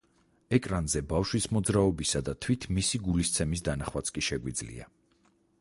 ეკრანზე ბავშვის მოძრაობისა და თვით მისი გულის ცემის დანახვაც კი შეგვიძლია.